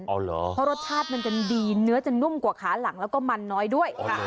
เพราะรสชาติมันจะดีเนื้อจะนุ่มกว่าขาหลังแล้วก็มันน้อยด้วย